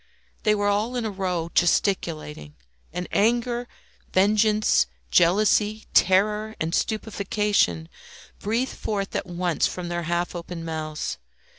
They were all in a row gesticulating, and anger, vengeance, jealousy, terror, and stupefaction breathed forth at once from their half opened mouths.